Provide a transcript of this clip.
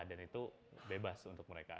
dan itu bebas untuk mereka